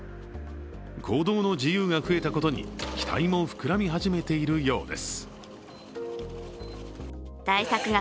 行動の自由が増えたことに期待もふくらみ始めているようです。